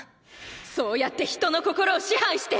そうやって人の心を支配して！！